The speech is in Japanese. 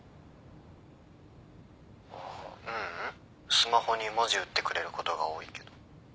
スマホに文字打ってくれることが多いけど。